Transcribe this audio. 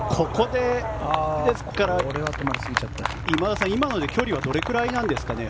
今田さん、今ので距離はどれぐらいなんですかね？